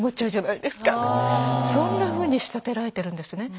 そんなふうに仕立てられてるんですね。